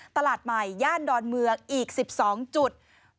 ตลาดใหม่ย่านดอนเมืองอีก๑๒จุด